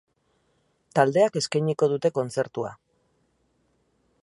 Taldeak eskainiko dute kontzertua.